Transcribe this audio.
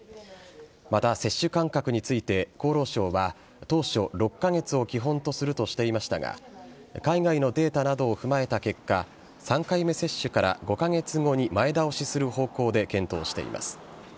また、接種間隔について厚労省は当初６カ月を基本とするとしていましたが海外のデータなどを踏まえた結果３回目接種から５カ月後に前倒しする方向で検討しています。